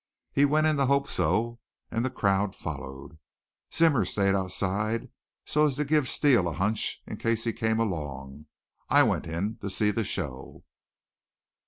He went in the Hope So, and the crowd followed. Zimmer stayed outside so to give Steele a hunch in case he came along. I went in to see the show.